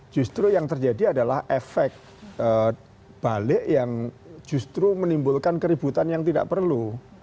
justru yang terjadi adalah efek balik yang justru menimbulkan keributan yang tidak perlu